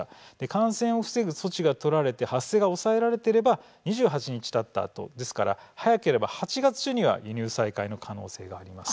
感染を防ぐ措置が取られて発生が抑えられていれば２８日たったあとですから早ければ８月中には輸入再開の可能性があります。